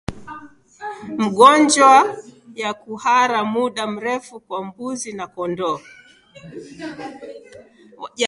Mgonjwa ya kuhara muda mrefu kwa mbuzi na kondoo